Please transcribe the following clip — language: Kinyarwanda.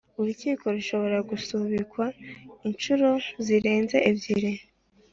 Urukiko rushobora gusubikwa inshuro zirenze ebyiri